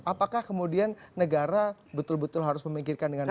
apakah kemudian negara betul betul harus memikirkan dengan baik